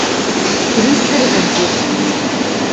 Трӱк тӹрвӹнзеш.